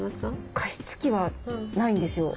加湿器はないんですよ。